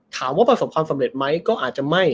ประสบความสำเร็จไหมก็อาจจะไม่